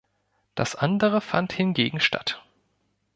Das andere fand hingegen statt.